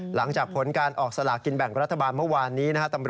หลังจากผลการออกสลากินแบ่งรัฐบาลเมื่อวานนี้นะครับ